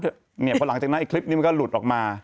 เพราะหลังจากนั้นไอคลิปนี้มันก็หลุดออกมา